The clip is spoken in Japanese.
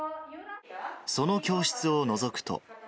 その教室をのぞくと。